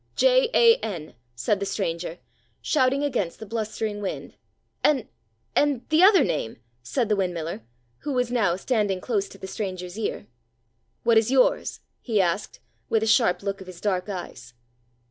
J, A, N," said the stranger, shouting against the blustering wind. "And—and—the other name?" said the windmiller, who was now standing close to the stranger's ear. "What is yours?" he asked, with a sharp look of his dark eyes.